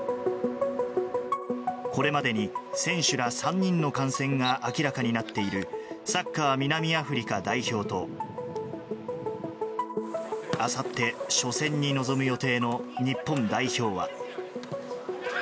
これまでに選手ら３人の感染が明らかになっているサッカー南アフリカ代表と、あさって、初戦に臨む予定の日本代表は。